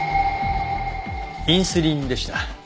インスリンでした。